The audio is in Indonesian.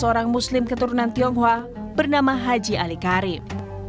seorang muslim keturunan tionghoa bernama haji ali karim